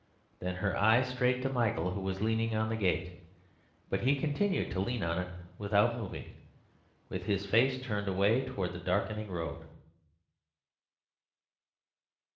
Then her eyes strayed to Michael, who was leaning on the gate; but he continued to lean on it without moving, with his face turned away towards the darkening road.